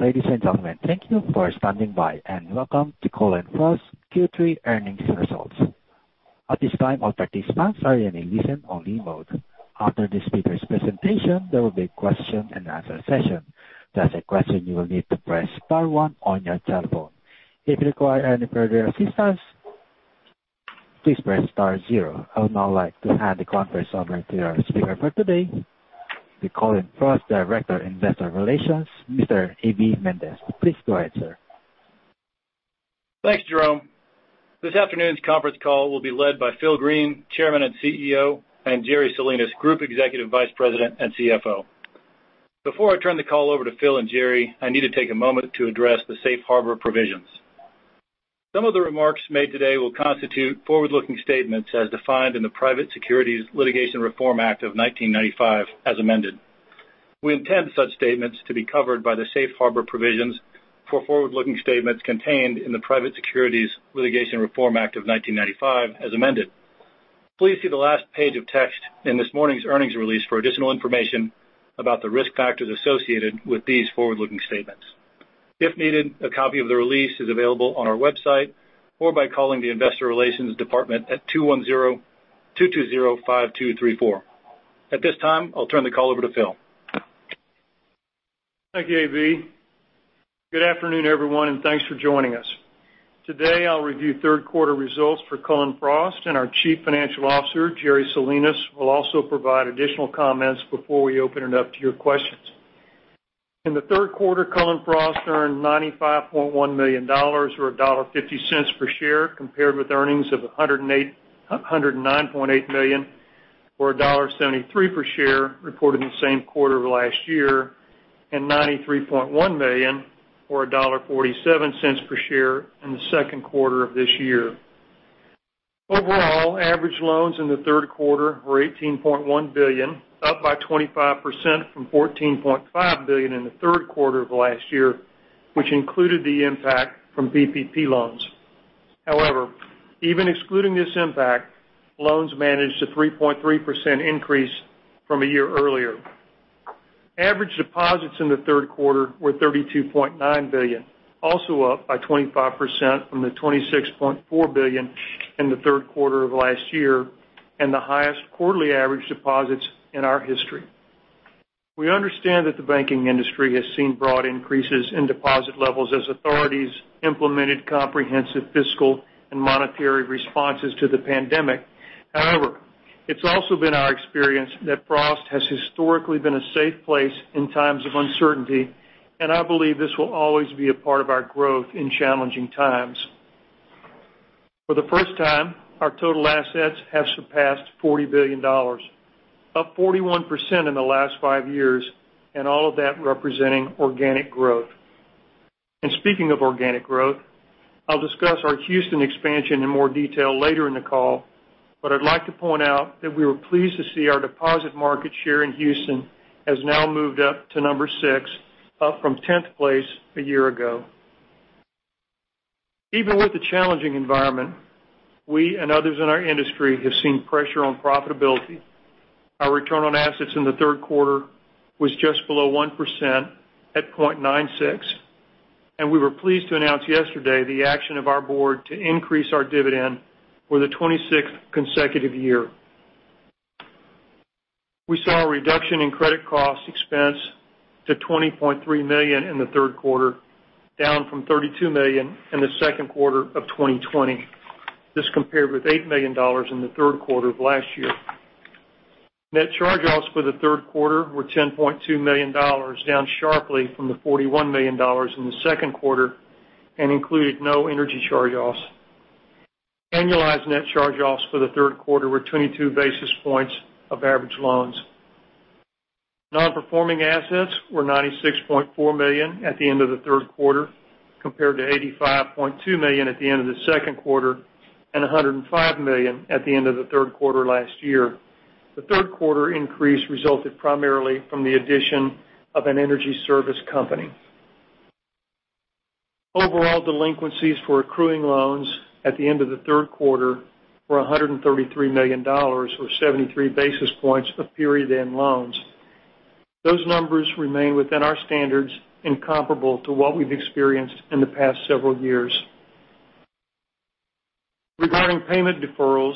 Ladies and gentlemen, thank you for standing by, and welcome to Cullen/Frost Q3 earnings results. I would now like to hand the conference over to our speaker for today, the Cullen/Frost Director of Investor Relations, Mr. A.B. Mendez. Please go ahead, sir. Thanks, Jerome. This afternoon's conference call will be led by Phil Green, Chairman and CEO, and Jerry Salinas, Group Executive Vice President and CFO. Before I turn the call over to Phil and Jerry, I need to take a moment to address the safe harbor provisions. Some of the remarks made today will constitute forward-looking statements as defined in the Private Securities Litigation Reform Act of 1995 as amended. We intend such statements to be covered by the safe harbor provisions for forward-looking statements contained in the Private Securities Litigation Reform Act of 1995 as amended. Please see the last page of text in this morning's earnings release for additional information about the risk factors associated with these forward-looking statements. If needed, a copy of the release is available on our website or by calling the investor relations department at 210-220-5234. At this time, I'll turn the call over to Phil. Thank you, A.B. Good afternoon, everyone, and thanks for joining us. Today, I'll review third quarter results for Cullen/Frost, and our Chief Financial Officer, Jerry Salinas, will also provide additional comments before we open it up to your questions. In the third quarter, Cullen/Frost earned $95.1 million, or $1.50 per share, compared with earnings of $109.8 million or $1.73 per share reported in the same quarter of last year, and $93.1 million or $1.47 per share in the second quarter of this year. Overall, average loans in the third quarter were $18.1 billion, up by 25% from $14.5 billion in the third quarter of last year, which included the impact from PPP loans. Even excluding this impact, loans managed a 3.3% increase from a year earlier. Average deposits in the third quarter were $32.9 billion, also up by 25% from the $26.4 billion in the third quarter of last year, and the highest quarterly average deposits in our history. We understand that the banking industry has seen broad increases in deposit levels as authorities implemented comprehensive fiscal and monetary responses to the pandemic. However, it's also been our experience that Frost has historically been a safe place in times of uncertainty, and I believe this will always be a part of our growth in challenging times. For the first time, our total assets have surpassed $40 billion, up 41% in the last five years, and all of that representing organic growth. Speaking of organic growth, I'll discuss our Houston expansion in more detail later in the call, but I'd like to point out that we were pleased to see our deposit market share in Houston has now moved up to number 6, up from 10th place a year ago. Even with the challenging environment, we and others in our industry have seen pressure on profitability. Our return on assets in the third quarter was just below 1% at 0.96%, and we were pleased to announce yesterday the action of our board to increase our dividend for the 26th consecutive year. We saw a reduction in credit cost expense to $20.3 million in the third quarter, down from $32 million in the second quarter of 2020. This compared with $8 million in the third quarter of last year. Net charge-offs for the third quarter were $10.2 million, down sharply from the $41 million in the second quarter, and included no energy charge-offs. Annualized net charge-offs for the third quarter were 22 basis points of average loans. Non-performing assets were $96.4 million at the end of the third quarter, compared to $85.2 million at the end of the second quarter and $105 million at the end of the third quarter last year. The third quarter increase resulted primarily from the addition of an energy service company. Overall delinquencies for accruing loans at the end of the third quarter were $133 million, or 73 basis points of period-end loans. Those numbers remain within our standards and comparable to what we've experienced in the past several years. Regarding payment deferrals,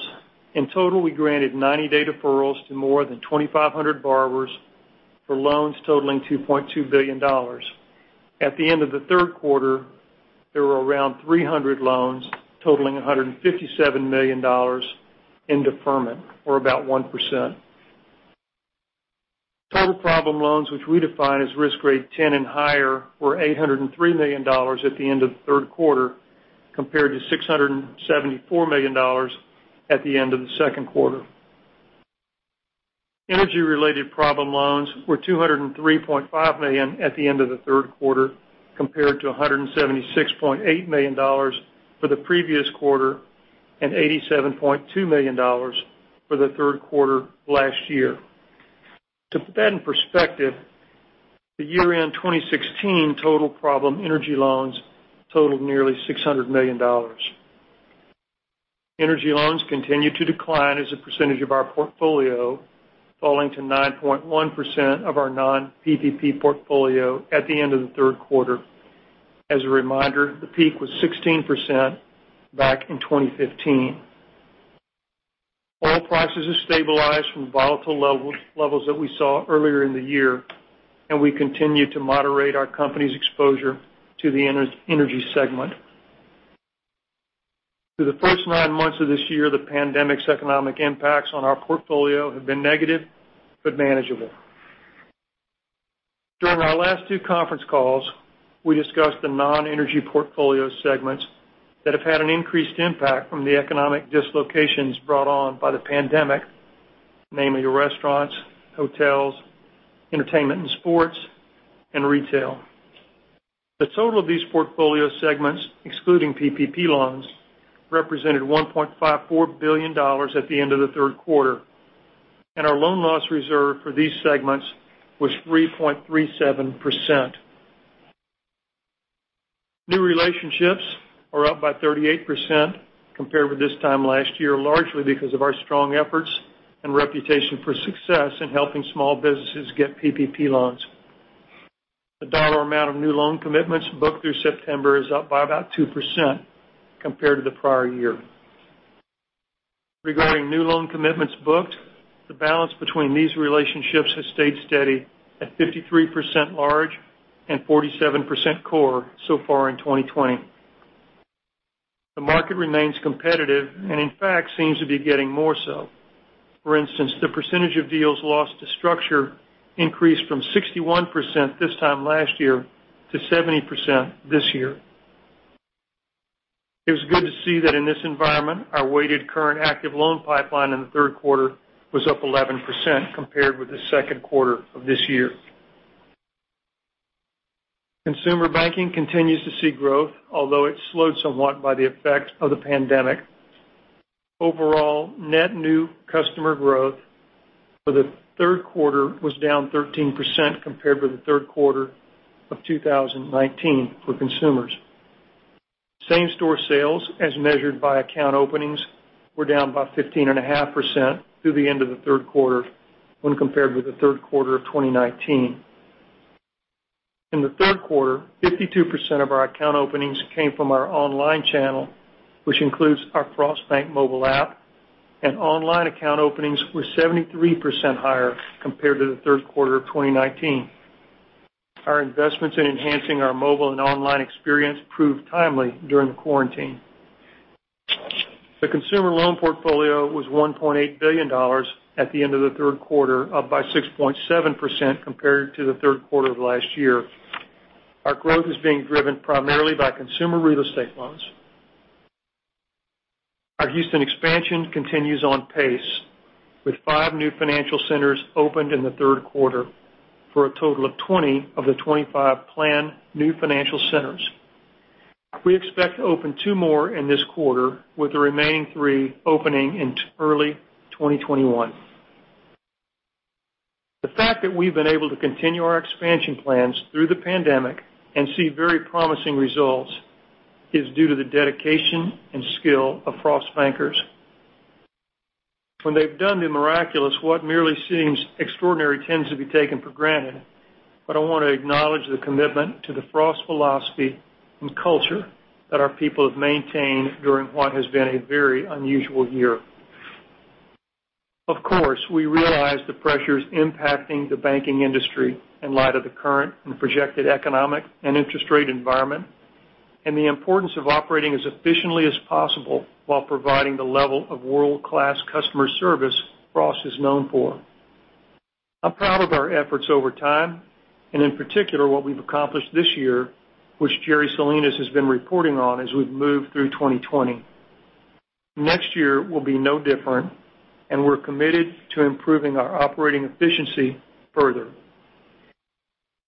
in total, we granted 90-day deferrals to more than 2,500 borrowers for loans totaling $2.2 billion. At the end of the third quarter, there were around 300 loans totaling $157 million in deferment, or about 1%. Total problem loans, which we define as risk grade 10 and higher, were $803 million at the end of the third quarter, compared to $674 million at the end of the second quarter. Energy-related problem loans were $203.5 million at the end of the third quarter, compared to $176.8 million for the previous quarter and $87.2 million for the third quarter last year. To put that in perspective, the year-end 2016 total problem energy loans totaled nearly $600 million. Energy loans continue to decline as a percentage of our portfolio, falling to 9.1% of our non-PPP portfolio at the end of the third quarter. As a reminder, the peak was 16% back in 2015. Oil prices have stabilized from volatile levels that we saw earlier in the year, and we continue to moderate our company's exposure to the energy segment. Through the first nine months of this year, the pandemic's economic impacts on our portfolio have been negative, but manageable. During our last two conference calls, we discussed the non-energy portfolio segments that have had an increased impact from the economic dislocations brought on by the pandemic, namely restaurants, hotels, entertainment and sports, and retail. The total of these portfolio segments, excluding PPP loans, represented $1.54 billion at the end of the third quarter. Our loan loss reserve for these segments was 3.37%. New relationships are up by 38% compared with this time last year, largely because of our strong efforts and reputation for success in helping small businesses get PPP loans. The dollar amount of new loan commitments booked through September is up by about 2% compared to the prior year. Regarding new loan commitments booked, the balance between these relationships has stayed steady at 53% large and 47% core so far in 2020. The market remains competitive and in fact, seems to be getting more so. For instance, the percentage of deals lost to structure increased from 61% this time last year to 70% this year. It was good to see that in this environment, our weighted current active loan pipeline in the third quarter was up 11% compared with the second quarter of this year. Consumer banking continues to see growth, although it slowed somewhat by the effect of the pandemic. Overall, net new customer growth for the third quarter was down 13% compared to the third quarter of 2019 for consumers. Same-store sales, as measured by account openings, were down by 15.5% through the end of the third quarter when compared with the third quarter of 2019. In the third quarter, 52% of our account openings came from our online channel, which includes our Frost Bank mobile app, and online account openings were 73% higher compared to the third quarter of 2019. Our investments in enhancing our mobile and online experience proved timely during the quarantine. The consumer loan portfolio was $1.8 billion at the end of the third quarter, up by 6.7% compared to the third quarter of last year. Our growth is being driven primarily by consumer real estate loans. Our Houston expansion continues on pace with five new financial centers opened in the third quarter for a total of 20 of the 25 planned new financial centers. We expect to open two more in this quarter with the remaining three opening in early 2021. The fact that we've been able to continue our expansion plans through the pandemic and see very promising results is due to the dedication and skill of Frost bankers. When they've done the miraculous, what merely seems extraordinary tends to be taken for granted, but I want to acknowledge the commitment to the Frost philosophy and culture that our people have maintained during what has been a very unusual year. Of course, we realize the pressures impacting the banking industry in light of the current and projected economic and interest rate environment, and the importance of operating as efficiently as possible while providing the level of world-class customer service Frost is known for. I'm proud of our efforts over time, and in particular, what we've accomplished this year, which Jerry Salinas has been reporting on as we've moved through 2020. Next year will be no different, and we're committed to improving our operating efficiency further.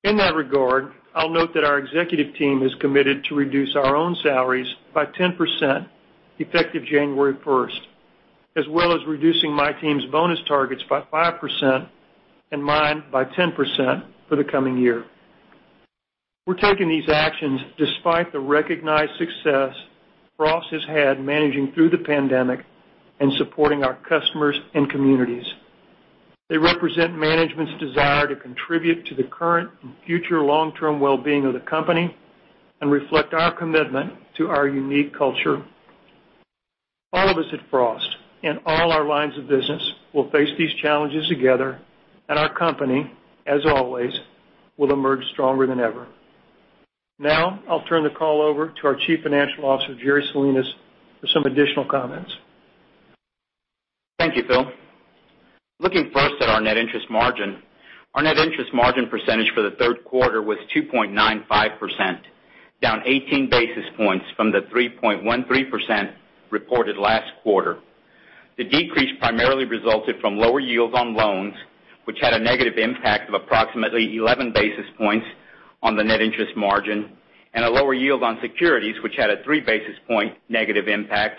In that regard, I'll note that our executive team has committed to reduce our own salaries by 10% effective January 1st, as well as reducing my team's bonus targets by 5% and mine by 10% for the coming year. We're taking these actions despite the recognized success Frost has had managing through the pandemic and supporting our customers and communities. They represent management's desire to contribute to the current and future long-term well-being of the company and reflect our commitment to our unique culture. All of us at Frost, in all our lines of business, will face these challenges together and our company, as always, will emerge stronger than ever. I'll turn the call over to our Chief Financial Officer, Jerry Salinas, for some additional comments. Thank you, Phil. Looking first at our net interest margin, our net interest margin percentage for the third quarter was 2.95%, down 18 basis points from the 3.13% reported last quarter. The decrease primarily resulted from lower yields on loans, which had a negative impact of approximately 11 basis points on the net interest margin and a lower yield on securities which had a three basis point negative impact,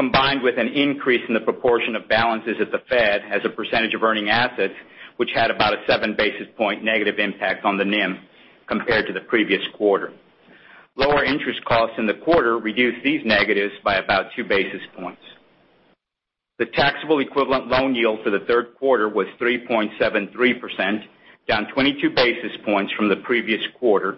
combined with an increase in the proportion of balances at the Fed as a percentage of earning assets, which had about a seven basis point negative impact on the NIM compared to the previous quarter. Lower interest costs in the quarter reduced these negatives by about two basis points. The taxable equivalent loan yield for the third quarter was 3.73%, down 22 basis points from the previous quarter.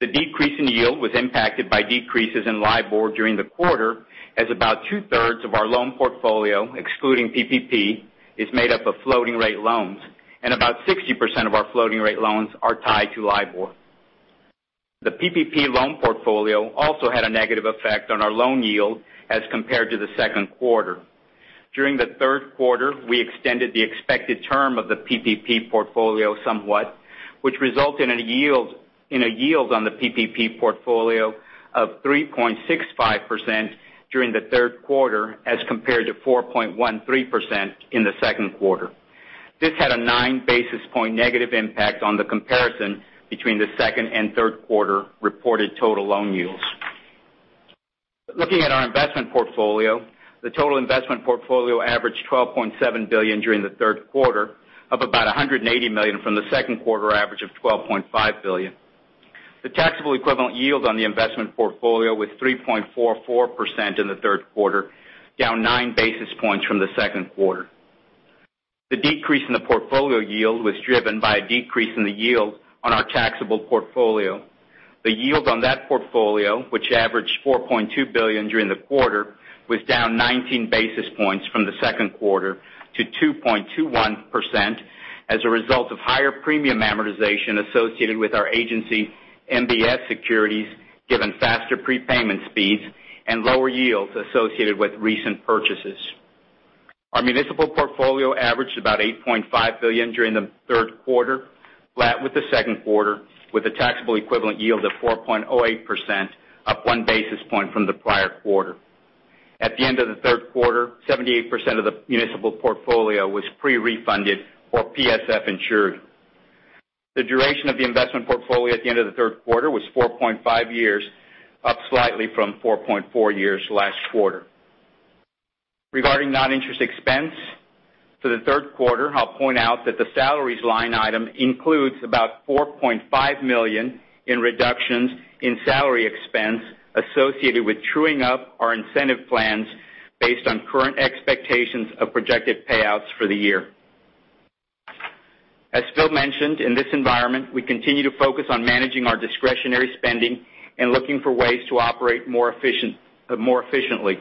The decrease in yield was impacted by decreases in LIBOR during the quarter, as about two-thirds of our loan portfolio, excluding PPP, is made up of floating-rate loans, and about 60% of our floating-rate loans are tied to LIBOR. The PPP loan portfolio also had a negative effect on our loan yield as compared to the second quarter. During the third quarter, we extended the expected term of the PPP portfolio somewhat, which resulted in a yield on the PPP portfolio of 3.65% during the third quarter, as compared to 4.13% in the second quarter. This had a 9 basis point negative impact on the comparison between the second and third quarter reported total loan yields. Looking at our investment portfolio, the total investment portfolio averaged $12.7 billion during the third quarter, up about $180 million from the second quarter average of $12.5 billion. The taxable equivalent yield on the investment portfolio was 3.44% in the third quarter, down nine basis points from the second quarter. The decrease in the portfolio yield was driven by a decrease in the yield on our taxable portfolio. The yield on that portfolio, which averaged $4.2 billion during the quarter, was down 19 basis points from the second quarter to 2.21% as a result of higher premium amortization associated with our agency MBS securities, given faster prepayment speeds and lower yields associated with recent purchases. Our municipal portfolio averaged about $8.5 billion during the third quarter, flat with the second quarter, with a taxable equivalent yield of 4.08%, up one basis point from the prior quarter. At the end of the third quarter, 78% of the municipal portfolio was pre-refunded or PSF insured. The duration of the investment portfolio at the end of the third quarter was 4.5 years, up slightly from 4.4 years last quarter. Regarding non-interest expense, for the third quarter, I'll point out that the salaries line item includes about $4.5 million in reductions in salary expense associated with truing up our incentive plans based on current expectations of projected payouts for the year. As Phil mentioned, in this environment, we continue to focus on managing our discretionary spending and looking for ways to operate more efficiently.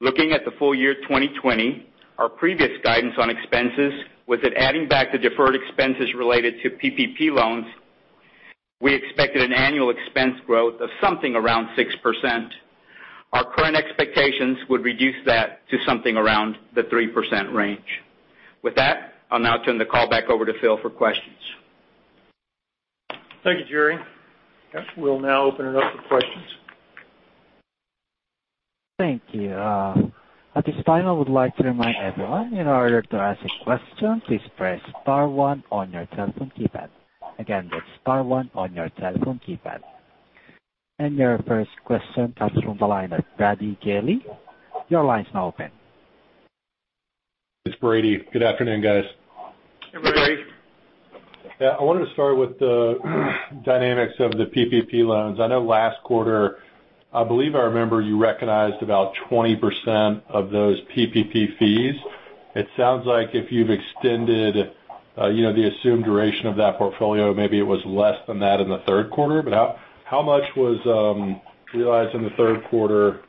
Looking at the full year 2020, our previous guidance on expenses, with it adding back the deferred expenses related to PPP loans, we expected an annual expense growth of something around 6%. Our current expectations would reduce that to something around the 3% range. With that, I'll now turn the call back over to Phil for questions. Thank you, Jerry. We'll now open it up for questions. Thank you. At this time, I would like to remind everyone, in order to ask a question, please press star one on your telephone keypad. Again, that's star one on your telephone keypad. Your first question comes from the line of Brady Gailey. Your line's now open. It's Brady. Good afternoon, guys. Hey, Brady. Yeah, I wanted to start with the dynamics of the PPP loans. I know last quarter, I believe I remember you recognized about 20% of those PPP fees. It sounds like if you've extended the assumed duration of that portfolio, maybe it was less than that in the third quarter, but how much was realized in the third quarter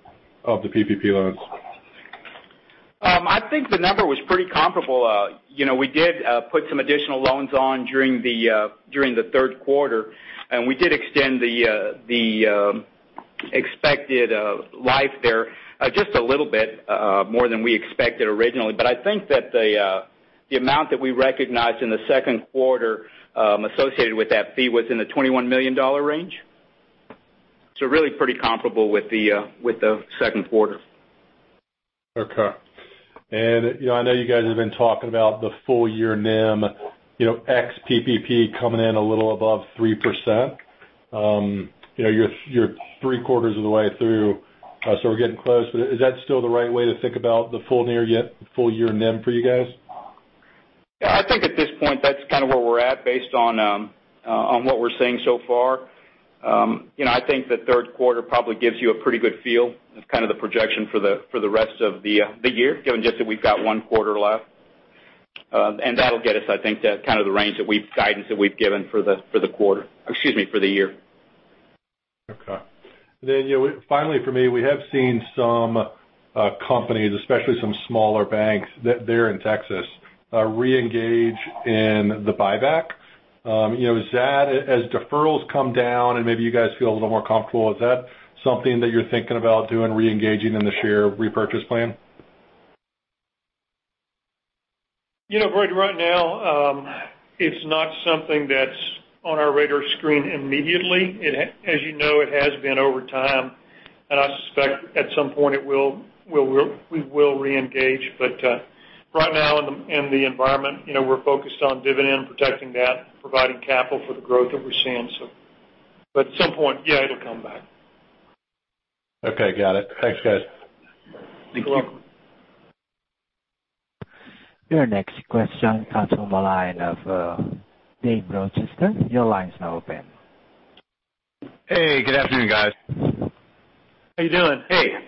of the PPP loans? I think the number was pretty comparable. We did put some additional loans on during the third quarter, and we did extend the expected life there just a little bit more than we expected originally. I think that the amount that we recognized in the second quarter associated with that fee was in the $21 million range. Really pretty comparable with the second quarter. Okay. I know you guys have been talking about the full year NIM ex PPP coming in a little above 3%. You're three-quarters of the way through, so we're getting close, but is that still the right way to think about the full year NIM for you guys? Yeah, I think at this point, that's kind of where we're at based on what we're seeing so far. I think the third quarter probably gives you a pretty good feel of the projection for the rest of the year, given just that we've got one quarter left. That'll get us, I think, to the guidance that we've given for the quarter. Excuse me, for the year. Okay. Finally for me, we have seen some companies, especially some smaller banks there in Texas, reengage in the buyback. As deferrals come down and maybe you guys feel a little more comfortable, is that something that you're thinking about doing, reengaging in the share repurchase plan? Brady, right now, it's not something that's on our radar screen immediately. As you know, it has been over time, and I suspect at some point we will reengage. Right now in the environment, we're focused on dividend, protecting that, providing capital for the growth that we're seeing. At some point, yeah, it'll come back. Okay, got it. Thanks, guys. You're welcome. Your next question comes from the line of Dave Rochester. Your line's now open. Hey, good afternoon, guys. How you doing? Hey. Good.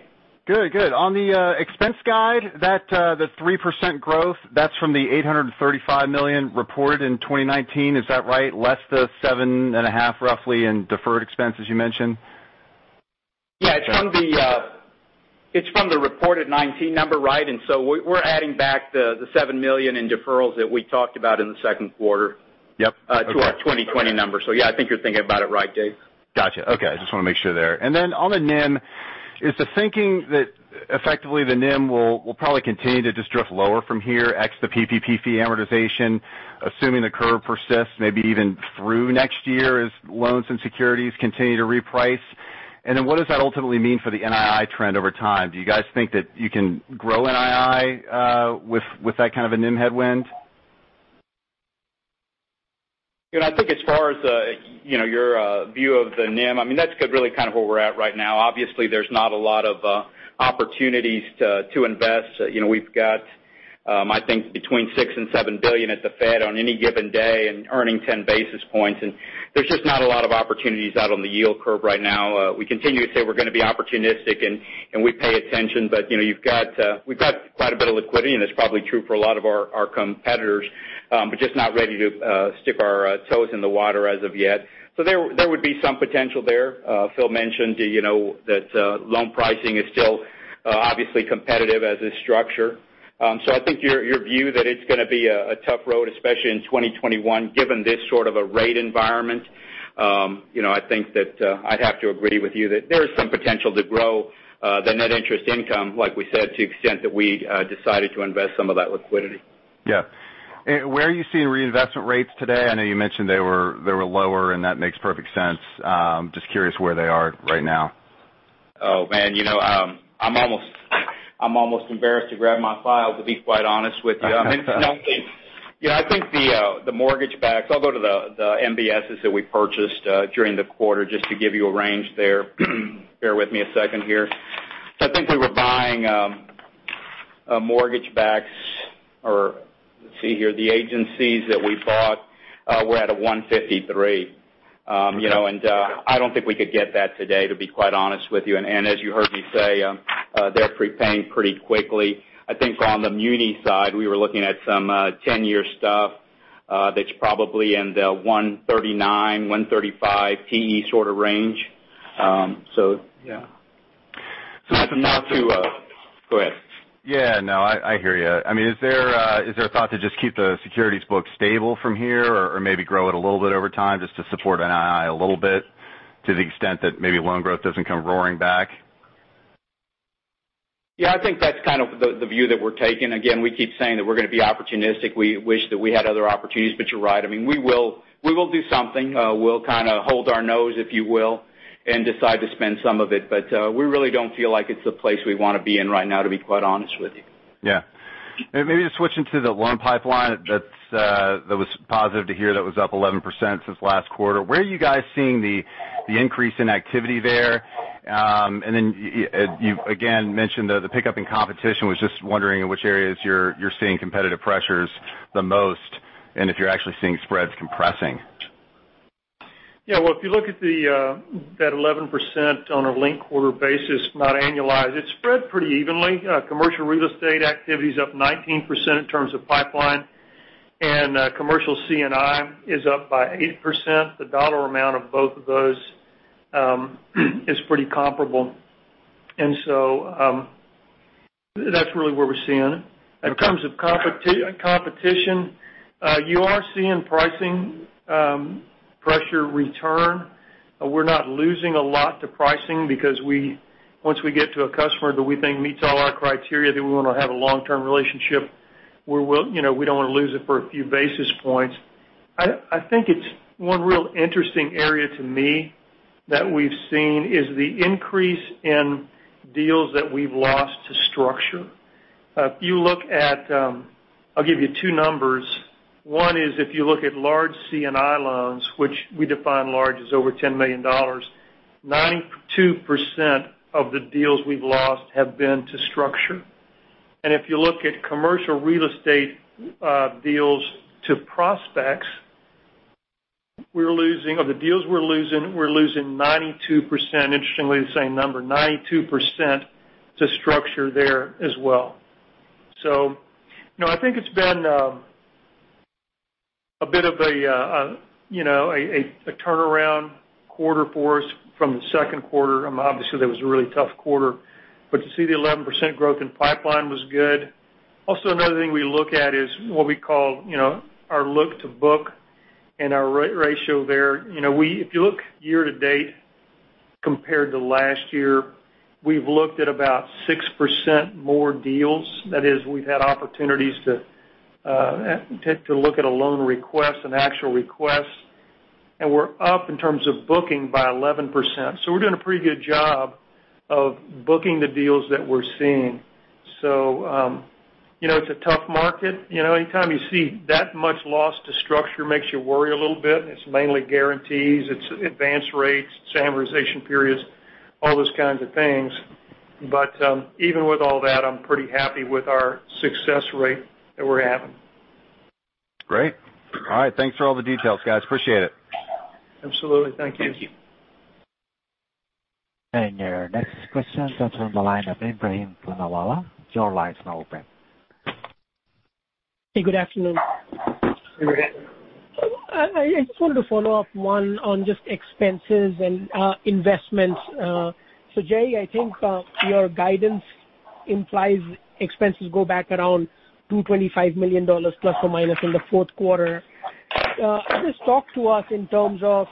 On the expense guide, the 3% growth, that's from the $835 million reported in 2019, is that right? Less the seven and a half, roughly, in deferred expenses you mentioned? Yeah. It's from the reported 2019 number, right? We're adding back the $7 million in deferrals that we talked about in the second quarter- Yep. Okay. To our 2020 numbers. Yeah, I think you're thinking about it right, Dave. Got you. Okay. I just want to make sure there. Then on the NIM, is the thinking that effectively the NIM will probably continue to just drift lower from here ex the PPP fee amortization, assuming the curve persists, maybe even through next year as loans and securities continue to reprice? Then what does that ultimately mean for the NII trend over time? Do you guys think that you can grow NII with that kind of a NIM headwind? I think as far as your view of the NIM, that's really kind of where we're at right now. Obviously, there's not a lot of opportunities to invest. We've got, I think, between $6 billion and $7 billion at the Fed on any given day and earning 10 basis points. There's just not a lot of opportunities out on the yield curve right now. We continue to say we're going to be opportunistic, and we pay attention. We've got quite a bit of liquidity, and it's probably true for a lot of our competitors, but just not ready to stick our toes in the water as of yet. There would be some potential there. Phil mentioned that loan pricing is still obviously competitive as a structure. I think your view that it's going to be a tough road, especially in 2021, given this sort of a rate environment. I think that I'd have to agree with you that there is some potential to grow the net interest income, like we said, to the extent that we decided to invest some of that liquidity. Yeah. Where are you seeing reinvestment rates today? I know you mentioned they were lower, and that makes perfect sense. Just curious where they are right now. Oh, man. I'm almost embarrassed to grab my file, to be quite honest with you. I think the mortgage-backed, I'll go to the MBSs that we purchased during the quarter just to give you a range there. Bear with me a second here. I think we were buying mortgage backs, or let's see here, the agencies that we bought were at a 153. Okay. I don't think we could get that today, to be quite honest with you. As you heard me say, they're prepaying pretty quickly. I think on the muni side, we were looking at some 10-year stuff that's probably in the 139, 135 TE sort of range. Yeah. Go ahead. Yeah, no, I hear you. Is there a thought to just keep the securities book stable from here or maybe grow it a little bit over time just to support NII a little bit to the extent that maybe loan growth doesn't come roaring back? Yeah, I think that's kind of the view that we're taking. Again, we keep saying that we're going to be opportunistic. We wish that we had other opportunities, but you're right. We will do something. We'll kind of hold our nose, if you will, and decide to spend some of it. We really don't feel like it's the place we want to be in right now, to be quite honest with you. Yeah. Maybe switching to the loan pipeline, that was positive to hear that was up 11% since last quarter. Where are you guys seeing the increase in activity there? You, again, mentioned the pickup in competition. I was just wondering in which areas you're seeing competitive pressures the most and if you're actually seeing spreads compressing. Well, if you look at that 11% on a linked quarter basis, not annualized, it's spread pretty evenly. Commercial real estate activity is up 19% in terms of pipeline, and commercial C&I is up by 8%. The dollar amount of both of those is pretty comparable. That's really where we're seeing it. In terms of competition, you are seeing pricing pressure return. We're not losing a lot to pricing because once we get to a customer that we think meets all our criteria, then we want to have a long-term relationship. We don't want to lose it for a few basis points. I think it's one real interesting area to me that we've seen is the increase in deals that we've lost to structure. I'll give you two numbers. One is if you look at large C&I loans, which we define large as over $10 million, 92% of the deals we've lost have been to structure. If you look at commercial real estate deals to prospects, of the deals we're losing, we're losing 92%, interestingly the same number, 92%, to structure there as well. I think it's been a bit of a turnaround quarter for us from the second quarter. Obviously, that was a really tough quarter. To see the 11% growth in pipeline was good. Also, another thing we look at is what we call our look to book and our ratio there. If you look year to date compared to last year, we've looked at about 6% more deals. That is, we've had opportunities to look at a loan request, an actual request, and we're up in terms of booking by 11%. We're doing a pretty good job of booking the deals that we're seeing. It's a tough market. Anytime you see that much loss to structure makes you worry a little bit. It's mainly guarantees, it's advanced rates, it's amortization periods. All those kinds of things. Even with all that, I'm pretty happy with our success rate that we're having. Great. All right. Thanks for all the details, guys. Appreciate it. Absolutely. Thank you. Thank you. Your next question comes from the line of Ebrahim Poonawala. Hey, good afternoon. Good afternoon. I just wanted to follow up, one, on just expenses and investments. Jerry, I think your guidance implies expenses go back around $225 million ± in the fourth quarter. Just talk to us in terms of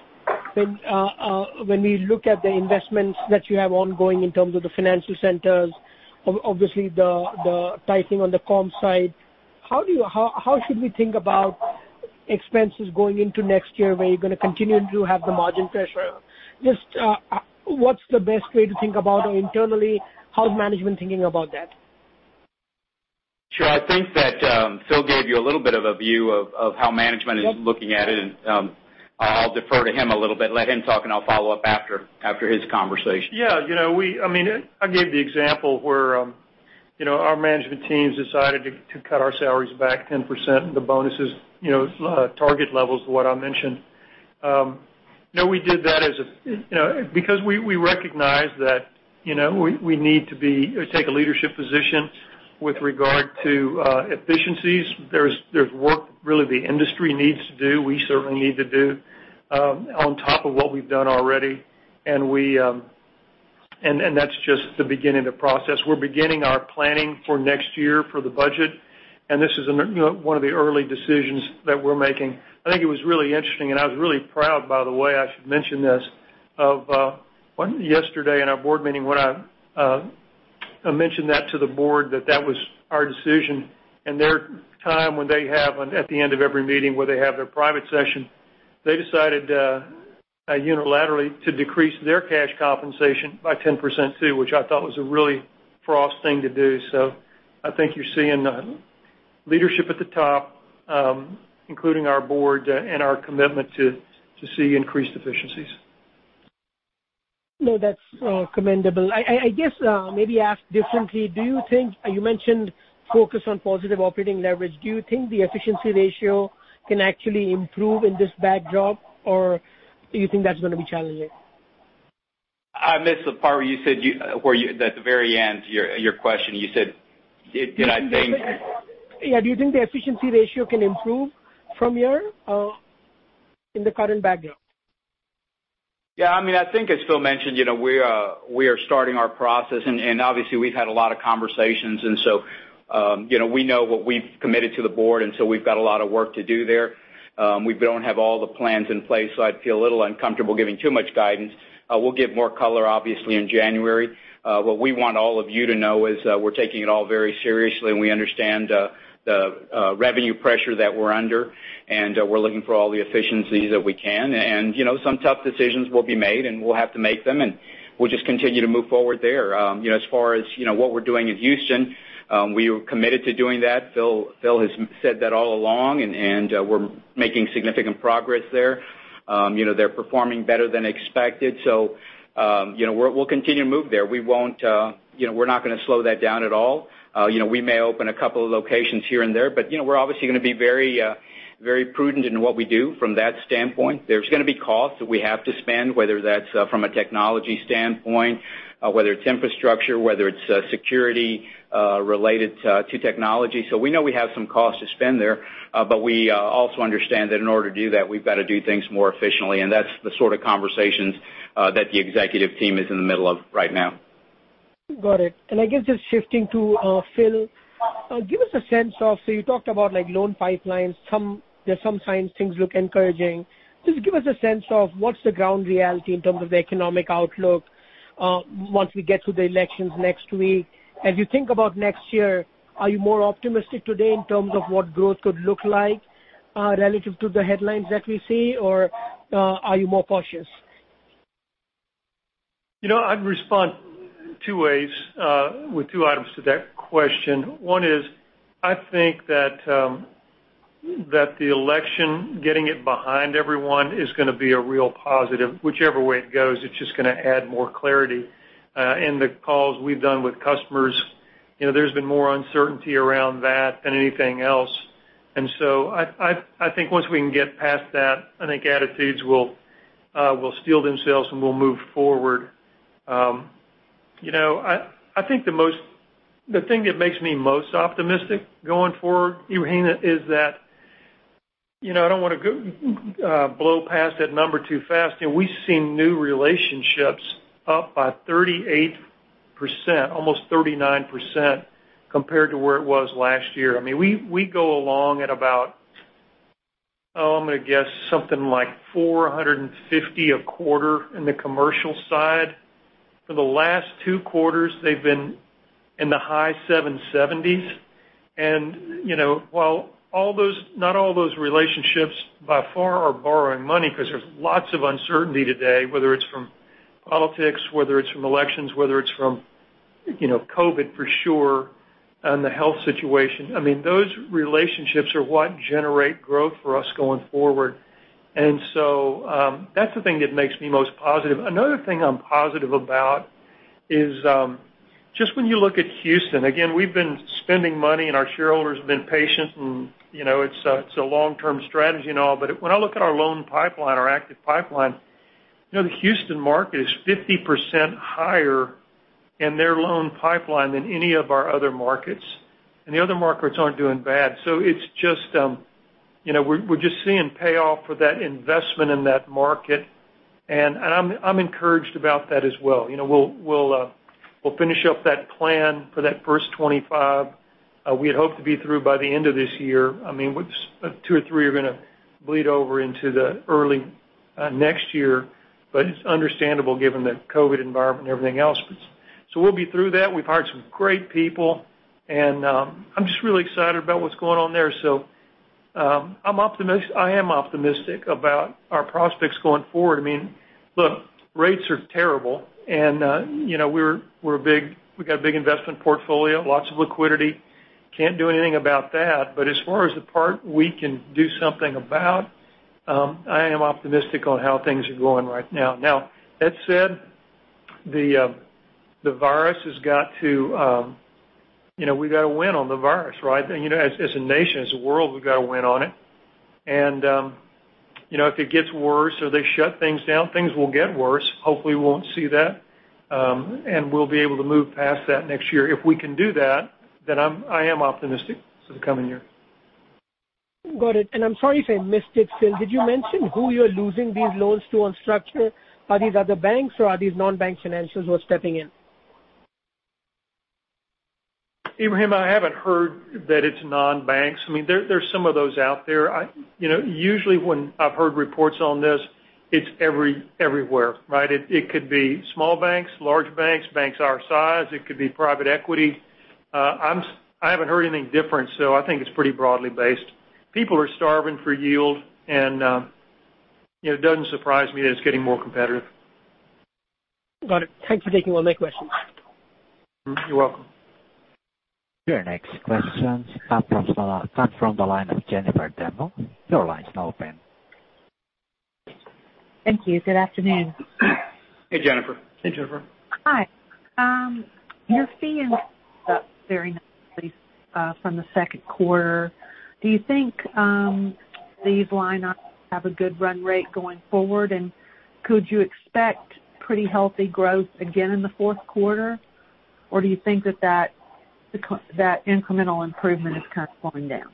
when we look at the investments that you have ongoing in terms of the financial centers, obviously the tightening on the comp side. How should we think about expenses going into next year, where you're going to continue to have the margin pressure? Just what's the best way to think about, or internally, how is management thinking about that? Sure. I think that Phil gave you a little bit of a view of how management is looking at it, and I'll defer to him a little bit, let him talk, and I'll follow up after his conversation. Yeah. I gave the example where our management teams decided to cut our salaries back 10%, the bonuses, target levels to what I mentioned. We did that because we recognize that we need to take a leadership position with regard to efficiencies. There's work really the industry needs to do, we certainly need to do, on top of what we've done already. That's just the beginning of the process. We're beginning our planning for next year for the budget, and this is one of the early decisions that we're making. I think it was really interesting, and I was really proud by the way, I should mention this, of yesterday in our board meeting when I mentioned that to the board that that was our decision. Their time when they have at the end of every meeting where they have their private session, they decided unilaterally to decrease their cash compensation by 10%, too, which I thought was a really Frost thing to do. I think you're seeing leadership at the top, including our board and our commitment to see increased efficiencies. No, that's commendable. I guess maybe ask differently. You mentioned focus on positive operating leverage. Do you think the efficiency ratio can actually improve in this backdrop, or do you think that's going to be challenging? I missed the part at the very end your question. Yeah. Do you think the efficiency ratio can improve from here in the current backdrop? Yeah. I think as Phil mentioned, we are starting our process, and obviously we've had a lot of conversations and so we know what we've committed to the board, and so we've got a lot of work to do there. We don't have all the plans in place. I'd feel a little uncomfortable giving too much guidance. We'll give more color, obviously, in January. What we want all of you to know is we're taking it all very seriously, and we understand the revenue pressure that we're under, and we're looking for all the efficiencies that we can. Some tough decisions will be made, and we'll have to make them, and we'll just continue to move forward there. As far as what we're doing in Houston, we are committed to doing that. Phil has said that all along, and we're making significant progress there. They're performing better than expected. We'll continue to move there. We're not going to slow that down at all. We may open a couple of locations here and there. We're obviously going to be very prudent in what we do from that standpoint. There's going to be costs that we have to spend, whether that's from a technology standpoint, whether it's infrastructure, whether it's security related to technology. We know we have some costs to spend there. We also understand that in order to do that, we've got to do things more efficiently, and that's the sort of conversations that the executive team is in the middle of right now. Got it. I guess just shifting to Phil. You talked about like loan pipelines. There's some signs things look encouraging. Just give us a sense of what's the ground reality in terms of the economic outlook once we get to the elections next week. As you think about next year, are you more optimistic today in terms of what growth could look like relative to the headlines that we see, or are you more cautious? I'd respond two ways, with two items to that question. One is, I think that the election, getting it behind everyone is going to be a real positive. Whichever way it goes, it's just going to add more clarity. In the calls we've done with customers, there's been more uncertainty around that than anything else. I think once we can get past that, I think attitudes will steel themselves, and we'll move forward. I think the thing that makes me most optimistic going forward, Ebrahim, is that I don't want to blow past that number too fast. We've seen new relationships up by 38%, almost 39%, compared to where it was last year. We go along at about, I'm going to guess something like 450 a quarter in the commercial side. For the last two quarters, they've been in the high 770s. While not all those relationships by far are borrowing money because there's lots of uncertainty today, whether it's from politics, whether it's from elections, whether it's from COVID for sure and the health situation. Those relationships are what generate growth for us going forward. That's the thing that makes me most positive. Another thing I'm positive about is just when you look at Houston, again, we've been spending money and our shareholders have been patient, and it's a long-term strategy and all, but when I look at our loan pipeline, our active pipeline, the Houston market is 50% higher in their loan pipeline than any of our other markets. The other markets aren't doing bad. We're just seeing payoff for that investment in that market. I'm encouraged about that as well. We'll finish up that plan for that first 25. We had hoped to be through by the end of this year. Two or three are going to bleed over into the early next year. It's understandable given the COVID environment and everything else. We'll be through that. We've hired some great people. I'm just really excited about what's going on there. I am optimistic about our prospects going forward. Look, rates are terrible. We got a big investment portfolio, lots of liquidity. Can't do anything about that. As far as the part we can do something about, I am optimistic on how things are going right now. Now, that said, we've got to win on the virus, right? As a nation, as a world, we've got to win on it. If it gets worse or they shut things down, things will get worse. Hopefully, we won't see that, and we'll be able to move past that next year. If we can do that, then I am optimistic for the coming year. Got it. I'm sorry if I missed it, Phil, did you mention who you're losing these loans to on structure? Are these other banks or are these non-bank financials who are stepping in? Ebrahim, I haven't heard that it's non-banks. There's some of those out there. Usually when I've heard reports on this, it's everywhere, right? It could be small banks, large banks our size. It could be private equity. I haven't heard anything different, so I think it's pretty broadly based. People are starving for yield, it doesn't surprise me that it's getting more competitive. Got it. Thanks for taking all my questions. You're welcome. Your next question comes from the line of Jennifer Demba. Your line's now open. Thank you. Good afternoon. Hey, Jennifer. Hey, Jennifer. Hi. Just being from the second quarter, do you think these lineups have a good run rate going forward? Could you expect pretty healthy growth again in the fourth quarter? Do you think that incremental improvement is kind of slowing down?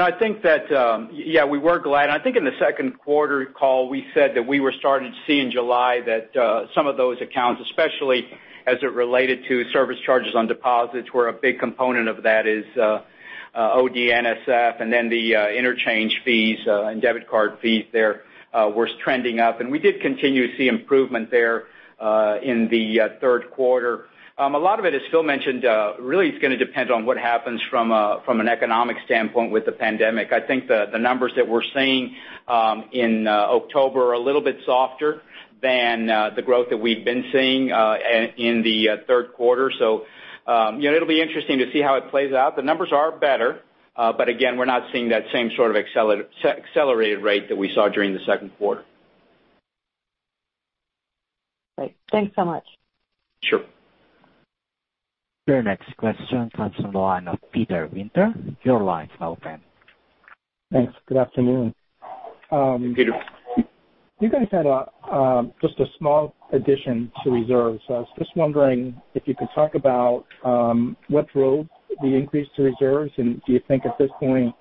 I think that, yeah, we were glad. I think in the second quarter call, we said that we were starting to see in July that some of those accounts, especially as it related to service charges on deposits, where a big component of that is OD, NSF, and then the interchange fees and debit card fees there, were trending up. We did continue to see improvement there in the third quarter. A lot of it, as Phil mentioned, really is going to depend on what happens from an economic standpoint with the pandemic. I think the numbers that we're seeing in October are a little bit softer than the growth that we've been seeing in the third quarter. It'll be interesting to see how it plays out. The numbers are better, but again, we're not seeing that same sort of accelerated rate that we saw during the second quarter. Great. Thanks so much. Sure. Your next question comes from the line of Peter Winter. Your line's now open. Thanks. Good afternoon. Peter. You guys had just a small addition to reserves. I was just wondering if you could talk about what drove the increase to reserves, and do you think at this point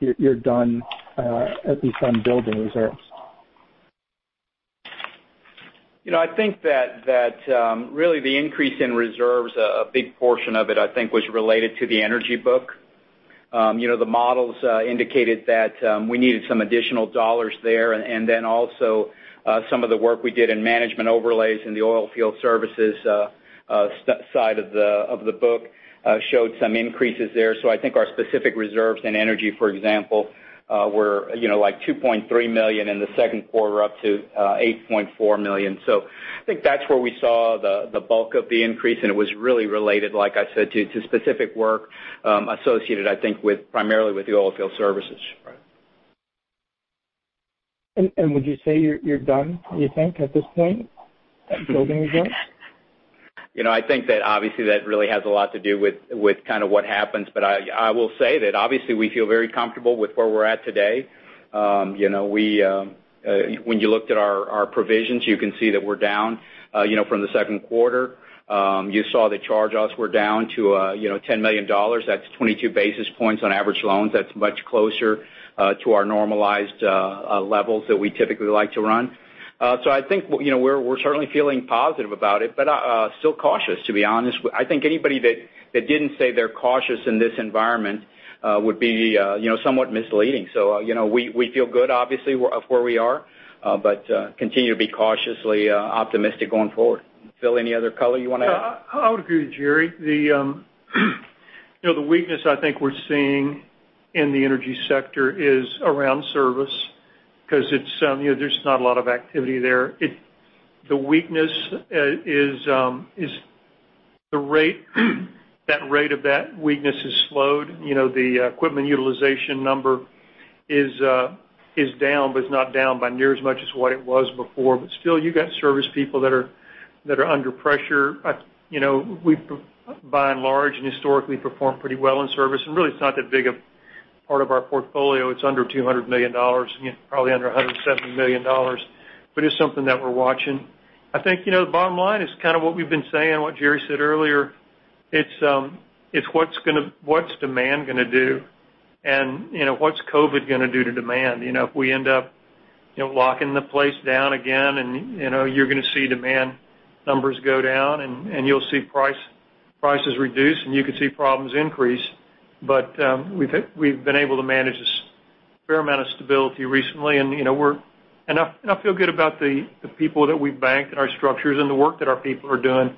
you're done, at least on building reserves? I think that really the increase in reserves, a big portion of it, I think, was related to the energy book. The models indicated that we needed some additional dollars there, and then also some of the work we did in management overlays in the oilfield services side of the book showed some increases there. I think our specific reserves in energy, for example, were like $2.3 million in the second quarter, up to $8.4 million. I think that's where we saw the bulk of the increase, and it was really related, like I said, to specific work associated, I think, primarily with the oilfield services. Right. Would you say you're done, you think, at this point, at building reserves? I think that obviously that really has a lot to do with what happens. I will say that obviously we feel very comfortable with where we're at today. When you looked at our provisions, you can see that we're down from the second quarter. You saw the charge-offs were down to $10 million. That's 22 basis points on average loans. That's much closer to our normalized levels that we typically like to run. I think we're certainly feeling positive about it, but still cautious, to be honest. I think anybody that didn't say they're cautious in this environment would be somewhat misleading. We feel good, obviously, of where we are, but continue to be cautiously optimistic going forward. Phil, any other color you want to add? Yeah. I would agree with Jerry. The weakness I think we're seeing in the energy sector is around service. Because there's not a lot of activity there. The weakness is the rate. That rate of that weakness has slowed. The equipment utilization number is down, but it's not down by near as much as what it was before. Still, you've got service people that are under pressure. We, by and large, and historically, perform pretty well in service. Really it's not that big a part of our portfolio. It's under $200 million, probably under $170 million. It's something that we're watching. I think, the bottom line is kind of what we've been saying, what Jerry said earlier. It's what's demand going to do? What's COVID going to do to demand? If we end up locking the place down again, and you're going to see demand numbers go down, and you'll see prices reduce, and you can see problems increase. We've been able to manage a fair amount of stability recently. I feel good about the people that we've banked and our structures and the work that our people are doing,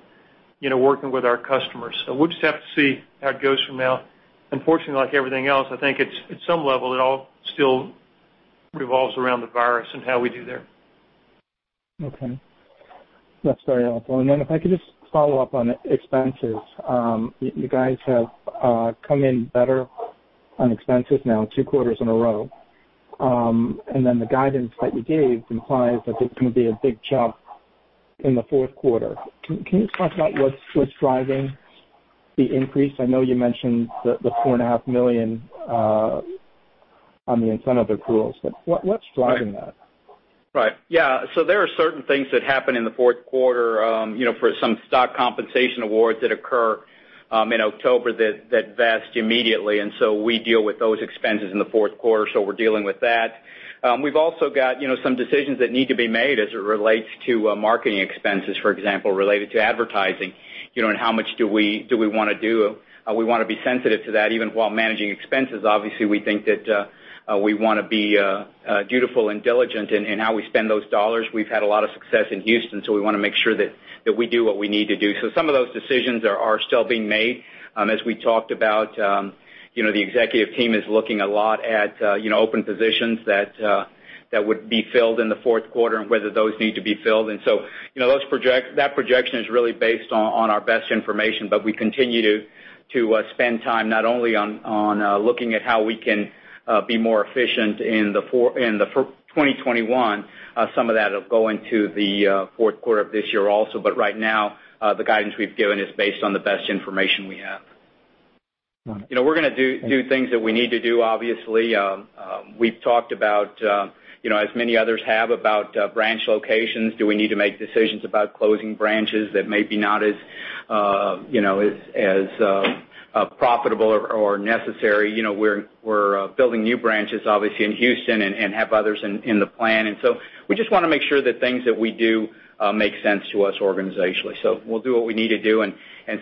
working with our customers. We'll just have to see how it goes from now. Unfortunately, like everything else, I think at some level it all still revolves around the virus and how we do there. Okay. That's very helpful. If I could just follow up on expenses. You guys have come in better on expenses now two quarters in a row. The guidance that you gave implies that there's going to be a big jump in the fourth quarter. Can you talk about what's driving the increase? I know you mentioned the $4.5 million on the incentive accruals, but what's driving that? Right. Yeah. There are certain things that happen in the fourth quarter for some stock compensation awards that occur in October that vest immediately. We deal with those expenses in the fourth quarter, so we're dealing with that. We've also got some decisions that need to be made as it relates to marketing expenses, for example, related to advertising, and how much do we want to do. We want to be sensitive to that even while managing expenses. Obviously, we think that we want to be dutiful and diligent in how we spend those dollars. We've had a lot of success in Houston, so we want to make sure that we do what we need to do. Some of those decisions are still being made. As we talked about, the executive team is looking a lot at open positions that would be filled in the fourth quarter and whether those need to be filled. That projection is really based on our best information. We continue to spend time not only on looking at how we can be more efficient in 2021, some of that'll go into the fourth quarter of this year also. Right now, the guidance we've given is based on the best information we have. All right. We're going to do things that we need to do, obviously. We've talked about, as many others have, about branch locations. Do we need to make decisions about closing branches that may be not as profitable or necessary? We're building new branches, obviously, in Houston and have others in the plan. We just want to make sure that things that we do make sense to us organizationally. We'll do what we need to do, and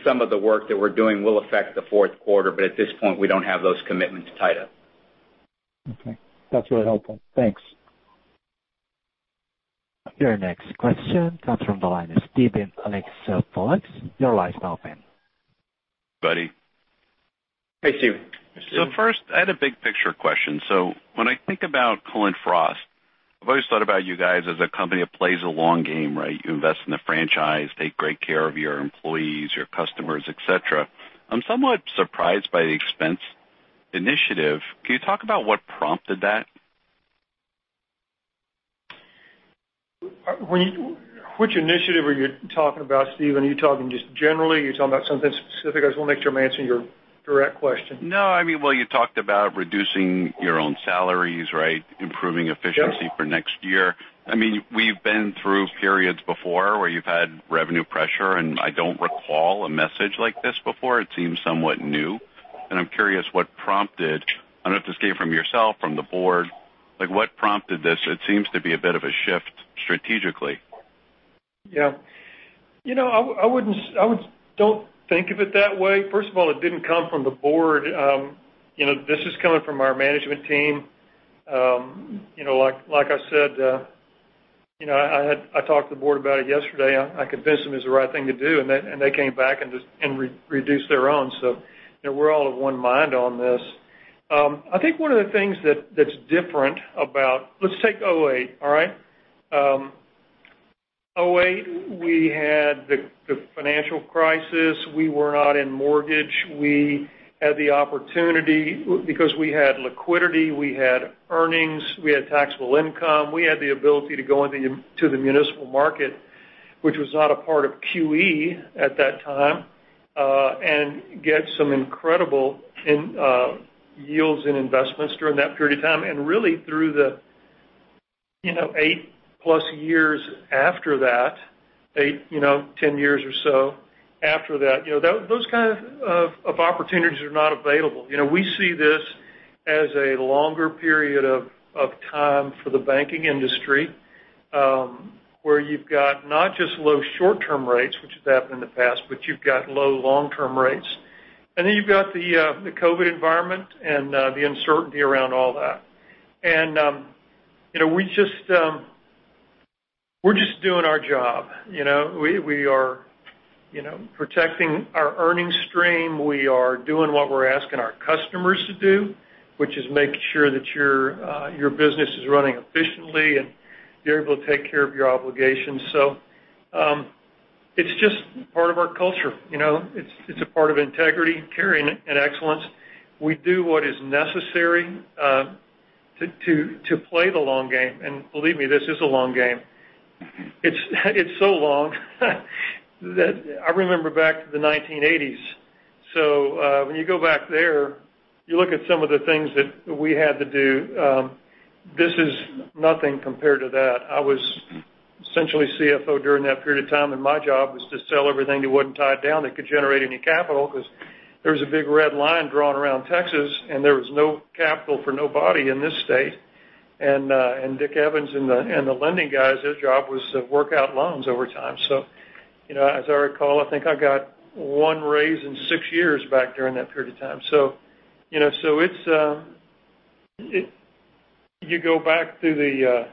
some of the work that we're doing will affect the fourth quarter, but at this point, we don't have those commitments tied up. Okay. That's really helpful. Thanks. Your next question comes from the line of Steven Alexopoulos, your line is now open. Buddy. Hey, Steven. First, I had a big picture question. When I think about Cullen/Frost, I've always thought about you guys as a company that plays a long game, right? You invest in the franchise, take great care of your employees, your customers, et cetera. I'm somewhat surprised by the expense initiative. Can you talk about what prompted that? Which initiative are you talking about, Steven? Are you talking just generally? Are you talking about something specific? I just want to make sure I'm answering your direct question. No, I mean, well, you talked about reducing your own salaries, right? Improving efficiency for next year. Yep. I mean, we've been through periods before where you've had revenue pressure. I don't recall a message like this before. It seems somewhat new. I'm curious what prompted, I don't know if this came from yourself, from the board, like what prompted this? It seems to be a bit of a shift strategically. Yeah. I don't think of it that way. First of all, it didn't come from the board. This is coming from our management team. Like I said, I talked to the board about it yesterday. I convinced them it was the right thing to do, and they came back and reduced their own. We're all of one mind on this. I think one of the things that's different, let's take 2008, all right? 2008, we had the financial crisis. We were not in mortgage. We had the opportunity because we had liquidity, we had earnings, we had taxable income. We had the ability to go into the municipal market, which was not a part of QE at that time, and get some incredible yields in investments during that period of time, and really through the 8-plus years after that, 10 years or so after that. Those kind of opportunities are not available. We see this as a longer period of time for the banking industry, where you've got not just low short-term rates, which has happened in the past, but you've got low long-term rates. You've got the COVID environment and the uncertainty around all that. We're just doing our job. We are protecting our earnings stream. We are doing what we're asking our customers to do, which is make sure that your business is running efficiently and you're able to take care of your obligations. It's just part of our culture. It's a part of integrity, caring, and excellence. We do what is necessary to play the long game, believe me, this is a long game. It's so long that I remember back to the 1980s. When you go back there, you look at some of the things that we had to do. This is nothing compared to that. I was essentially CFO during that period of time, and my job was to sell everything that wasn't tied down that could generate any capital, because there was a big red line drawn around Texas, and there was no capital for nobody in this state. Dick Evans and the lending guys, their job was to work out loans over time. As I recall, I think I got one raise in six years back during that period of time. You go back to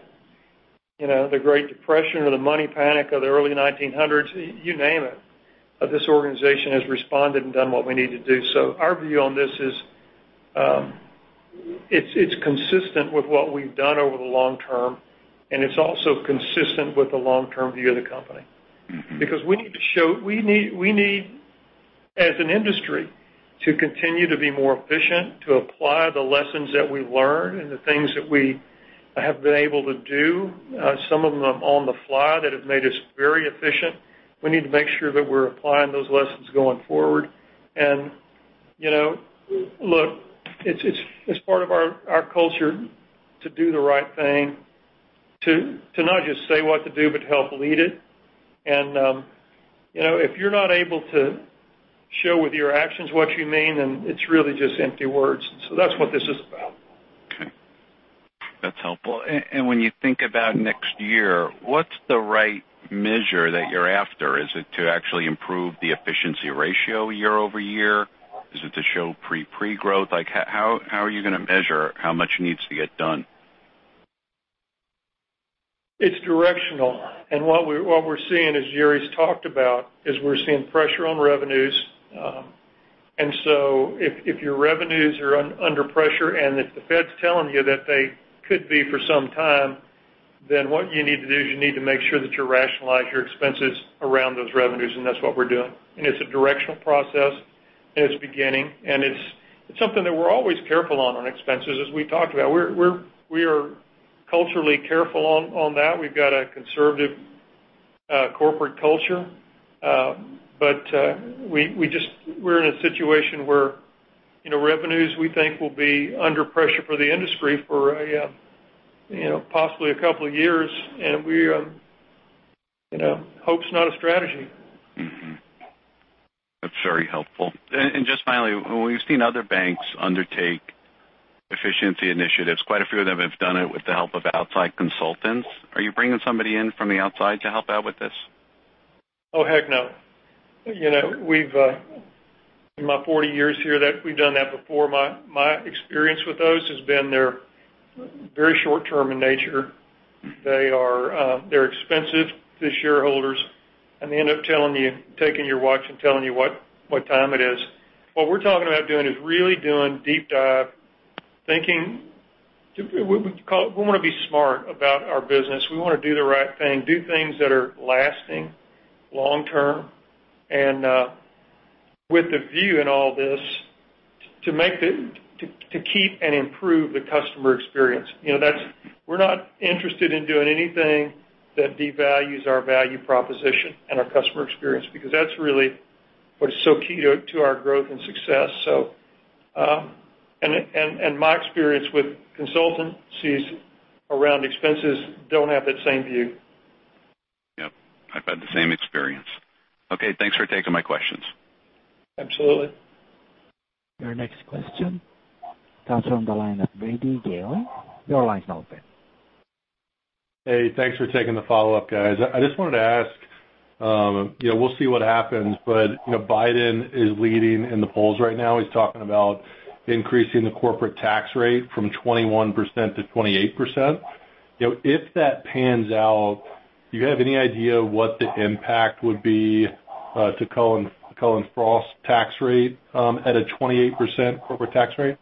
the Great Depression or the money panic of the early 1900s, you name it, this organization has responded and done what we need to do. Our view on this is, it's consistent with what we've done over the long term, and it's also consistent with the long-term view of the company. We need, as an industry, to continue to be more efficient, to apply the lessons that we've learned and the things that we have been able to do, some of them on the fly that have made us very efficient. We need to make sure that we're applying those lessons going forward. Look, it's part of our culture to do the right thing, to not just say what to do, but help lead it. If you're not able to show with your actions what you mean, then it's really just empty words. That's what this is about. Okay. That's helpful. When you think about next year, what's the right measure that you're after? Is it to actually improve the efficiency ratio year-over-year? Is it to show pre-growth? How are you going to measure how much needs to get done? It's directional. What we're seeing, as Jerry's talked about, is we're seeing pressure on revenues. If your revenues are under pressure and if the Fed's telling you that they could be for some time, then what you need to do is you need to make sure that you rationalize your expenses around those revenues, and that's what we're doing. It's a directional process, and it's beginning, and it's something that we're always careful on expenses, as we talked about. We are culturally careful on that. We've got a conservative corporate culture. We're in a situation where revenues, we think, will be under pressure for the industry for possibly a couple of years, and hope's not a strategy. Mm-hmm. That's very helpful. Just finally, we've seen other banks undertake efficiency initiatives. Quite a few of them have done it with the help of outside consultants. Are you bringing somebody in from the outside to help out with this? Oh, heck no. In my 40 years here, we've done that before. My experience with those has been they're very short-term in nature. They're expensive to shareholders, they end up taking your watch and telling you what time it is. What we're talking about doing is really doing deep dive thinking. We want to be smart about our business. We want to do the right thing, do things that are lasting, long term, with the view in all this to keep and improve the customer experience. We're not interested in doing anything that devalues our value proposition and our customer experience, because that's really what is so key to our growth and success. My experience with consultancies around expenses don't have that same view. Yep, I've had the same experience. Okay, thanks for taking my questions. Absolutely. Your next question comes from the line of Brady Gailey. Your line's now open. Hey, thanks for taking the follow-up, guys. I just wanted to ask, we'll see what happens, Biden is leading in the polls right now. He's talking about increasing the corporate tax rate from 21% to 28%. If that pans out, do you have any idea what the impact would be to Cullen/Frost tax rate at a 28% corporate tax rate?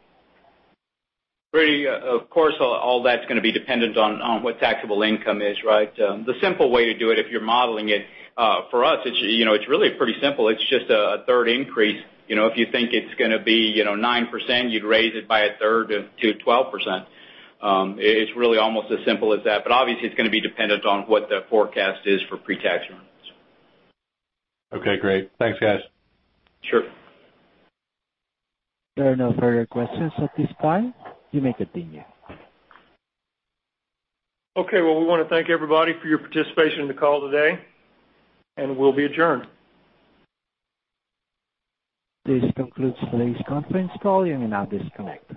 Brady, of course, all that's going to be dependent on what taxable income is, right? The simple way to do it if you're modeling it for us, it's really pretty simple. It's just a third increase. If you think it's going to be 9%, you'd raise it by a third to 12%. It's really almost as simple as that. Obviously, it's going to be dependent on what the forecast is for pre-tax earnings. Okay, great. Thanks, guys. Sure. There are no further questions at this point. You may continue. Okay. Well, we want to thank everybody for your participation in the call today. We'll be adjourned. This concludes today's conference call. You may now disconnect.